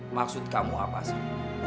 maksud kamu apa sih